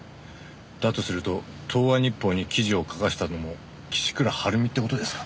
だとすると東和日報に記事を書かせたのも岸倉治美って事ですか？